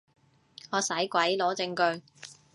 我使鬼攞證據